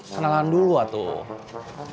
kenalan dulu a tuh